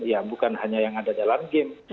ya bukan hanya yang ada dalam game